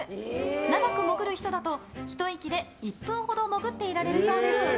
長く潜る人だと、ひと息で１分ほど潜っていられるそうです。